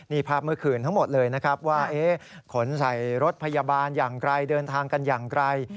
นี่ภาพเมื่อคืนทั้งหมดเลยนะครับว่าขนใส่รถพยาบาลอย่างไรเดินทางกันอย่างไร